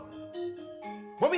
apa apaan sejarah saya